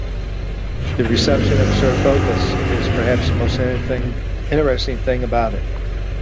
The reception of "Sir Thopas" is perhaps the most interesting thing about it.